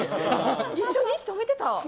一緒に息止めてた。